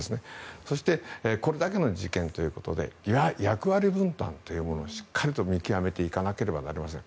そしてこれだけの事件ということで役割分担というものをしっかりと見極めていかなければなりません。